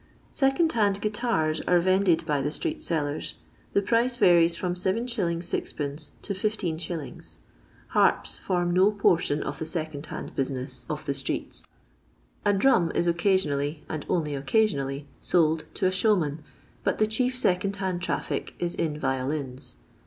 Sbcohd Hamd Goitarm are vended by the streetdsellers. The price varies from 7«. 6d. to 15s. Barpi form no portion of the second hand business of the streets. A drum is occasionally, and only occasionally, sold to a showman, but the chief second hand traffic is in violins.